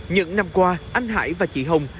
những năm qua anh hải và chị hồng